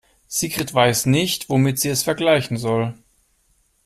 Sigrid weiß nicht, womit sie es vergleichen soll.